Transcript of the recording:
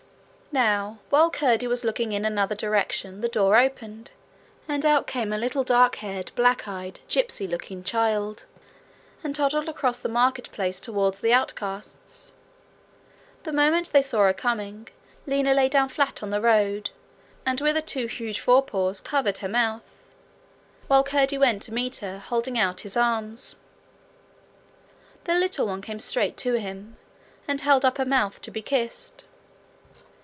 Now while Curdie was looking in another direction the door opened, and out came a little dark haired, black eyed, gypsy looking child, and toddled across the market place toward the outcasts. The moment they saw her coming, Lina lay down flat on the road, and with her two huge forepaws covered her mouth, while Curdie went to meet her, holding out his arms. The little one came straight to him, and held up her mouth to be kissed.